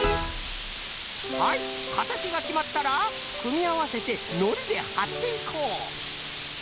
はいかたちがきまったらくみあわせてのりではっていこう。